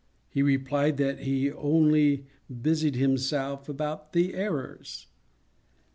He replied that he only busied himself about the errors.